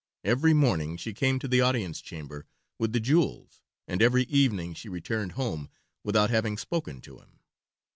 Every morning she came to the audience chamber with the jewels, and every evening she returned home without having spoken to him.